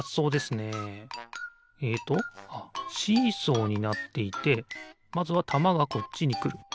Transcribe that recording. えっとあっシーソーになっていてまずはたまがこっちにくる。